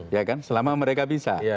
ya kan selama mereka bisa